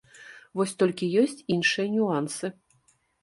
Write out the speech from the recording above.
Вось толькі ёсць іншыя нюансы.